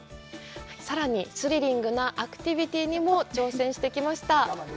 さらに、スリリングなアクティビティにも挑戦してきました。